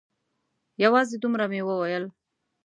یوازې دومره مې وویل.